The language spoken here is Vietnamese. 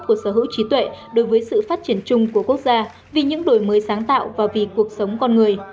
của sở hữu trí tuệ đối với sự phát triển chung của quốc gia vì những đổi mới sáng tạo và vì cuộc sống con người